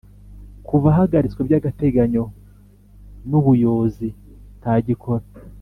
Kuva ahagaritswe by’ agateganyo nubuyozi ntagikora